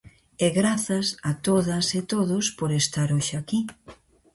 E grazas a todas e todos por estar hoxe aquí!